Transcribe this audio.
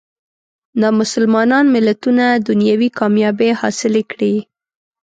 نامسلمان ملتونه دنیوي کامیابۍ حاصلې کړي.